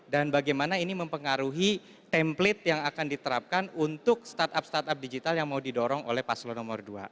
dan bagaimana ini mempengaruhi template yang akan diterapkan untuk startup startup digital yang mau didorong oleh paslon nomor dua